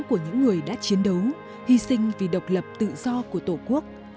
của những người đã chiến đấu hy sinh vì độc lập tự do của tổ quốc